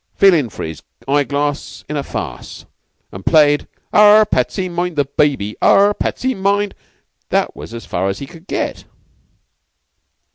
feeling for his eye glass in a farce, and played 'Arrah, Patsy, mind the baby. Arrah, Patsy, mind' that was as for as he could get."